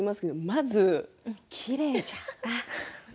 まずきれいじゃ。